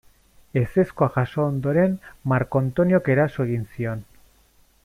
Ezezkoa jaso ondoren, Marko Antoniok eraso egin zion.